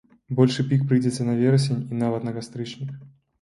Большы пік прыйдзецца на верасень і нават на кастрычнік.